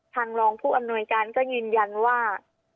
รองผู้อำนวยการก็ยืนยันว่า